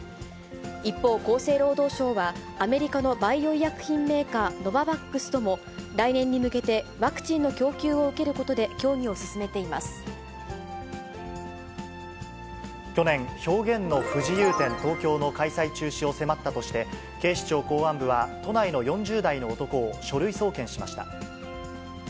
一方、厚生労働省は、アメリカのバイオ医薬品メーカー、ノババックスとも来年に向けてワクチンの供給を受けることで協議去年、表現の不自由展・東京の開催中止を迫ったとして、警視庁公安部は、都内の４０代の男を書類送検しました。